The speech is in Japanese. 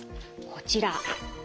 こちら。